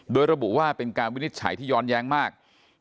โดยระบุว่าเป็นการวินิจฉัยที่ย้อนแย้งมาก